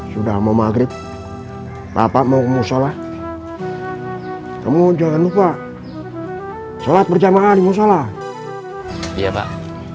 sudah mau maghrib papa mau sholat kamu jangan lupa sholat berjamaah di mushollah ya pak